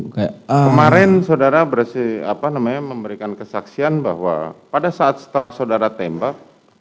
kemarin saudara memberikan kesaksian bahwa pada saat saudara tembak